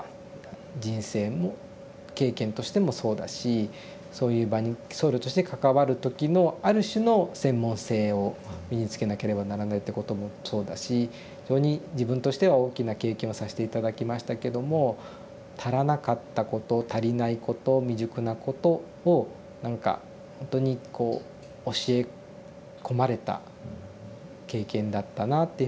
人生も経験としてもそうだしそういう場に僧侶として関わる時のある種の専門性を身につけなければならないってこともそうだし非常に自分としては大きな経験をさして頂きましたけども足らなかったこと足りないこと未熟なことを何かほんとにこう教え込まれた経験だったなっていうふうに振り返っては思いますね。